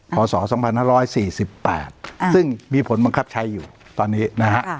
พศสองพันห้าร้อยสี่สิบแปดอ่าซึ่งมีผลบังคับใช้อยู่ตอนนี้นะฮะ